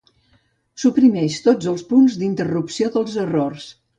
Suprimeix tots els punts d'interrupció dels errors.